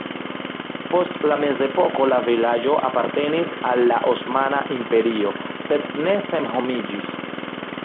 Post la mezepoko la vilaĝo apartenis al la Osmana Imperio sed ne senhomiĝis.